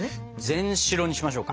全白にしましょうか。